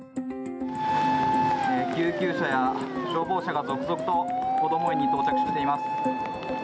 救急車や消防車が続々とこども園に到着しています。